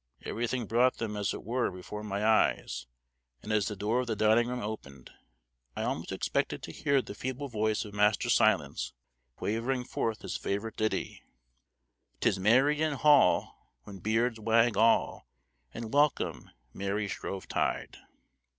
Everything brought them as it were before my eyes, and as the door of the dining room opened I almost expected to hear the feeble voice of Master Silence quavering forth his favorite ditty: "'Tis merry in hall, when beards wag all, And welcome merry Shrove tide!"